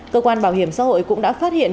cơ quan bảo hiểm xã hội cũng đã phát hiện